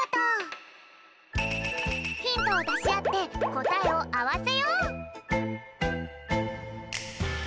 ヒントをだしあってこたえをあわせよう！